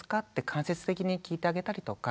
間接的に聞いてあげたりとか。